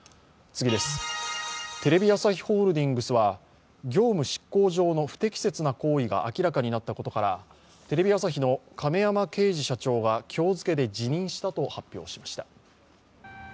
テレビ朝日ホールディングスは業務執行上の不適切なことが明らかになったことから、テレビ朝日の亀山慶二社長が今日付で辞任したと発表しました。